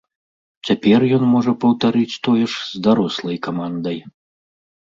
Цяпер ён можа паўтарыць тое ж з дарослай камандай.